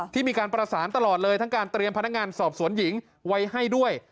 ที่มีการประสานตลอดเลยทั้งการเตรียมพนักงานสอบสวนหญิงไว้ให้ด้วย